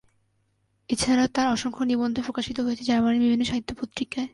এছাড়াও তার অসংখ্য নিবন্ধ প্রকাশিত হয়েছে জার্মানীর বিভিন্ন সাহিত্য পত্রিকায়।